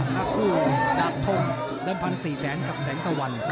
นักคู่นาภงดำพันธุ์สี่แสนกับแสนตะวัน